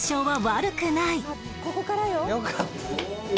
「ここからよ」